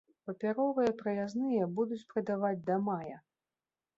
Папяровыя праязныя будуць прадаваць да мая.